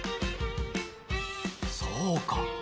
そうか！